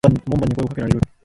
門番に声を掛けられる。